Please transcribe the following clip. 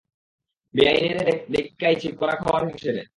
বেআইনেরে দেইক্কা আইছি কুড়া খাওয়ায় হাঁসেরে।